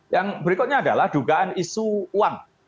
yang berikutnya adalah dugaan isu uang